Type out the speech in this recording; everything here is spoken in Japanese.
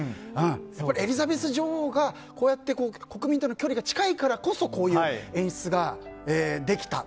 これ、エリザベス女王がこうやって国民との距離が近いからこそこういう演出ができた。